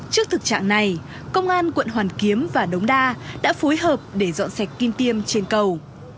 trước thực trạng này công an quận hoàn kiếm và đống đa đã phối hợp để dọn sạch kim tiêm trên cầu